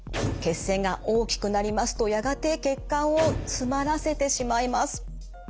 血栓が大きくなりますとやがて血管を詰まらせてしまいます。